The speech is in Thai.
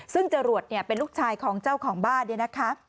ซึ่งจรวดเป็นลูกชายของเจ้าของบ้าน